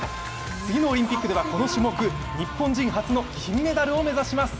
次のオリンピックではこの種目初の金メダルを目指します。